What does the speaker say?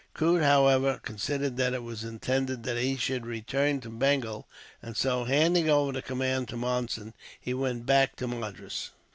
Coote, however, considered that it was intended that he should return to Bengal, and so handing over the command to Monson, he went back to Madras.